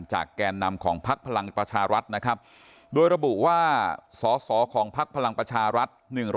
จากแกนนำของพรรคพลังประชารัฐโดยระบุว่าสอสอของพรรคพลังประชารัฐ